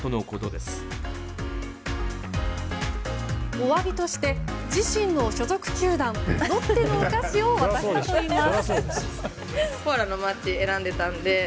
お詫びとして自身の所属球団ロッテのお菓子を渡したといいます。